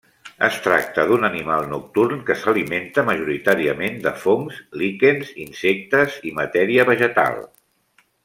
Es tracta d'un animal nocturn que s'alimenta majoritàriament de fongs, líquens, insectes i matèria vegetal.